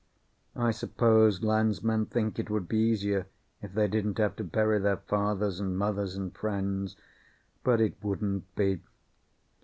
I suppose landsmen think it would be easier if they didn't have to bury their fathers and mothers and friends; but it wouldn't be.